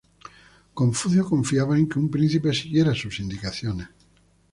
Confucio confiaba en que un príncipe siguiera sus indicaciones.